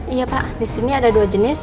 iya pak disini ada dua jenis